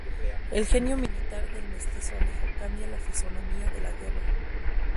El genio militar del mestizo Alejo cambia la fisonomía de la guerra.